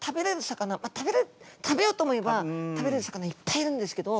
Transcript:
魚食べようと思えば食べれる魚いっぱいいるんですけど。